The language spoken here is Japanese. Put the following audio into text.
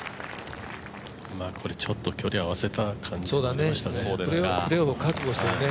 ちょっと距離合わせた感じがありましたね。